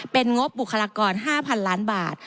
เป็นงบบุคลากร๕๐๐๐ล้านบาท